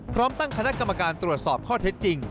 พร้อมตั้งคณะกรรมการตรวจสอบข้อเท็จจริง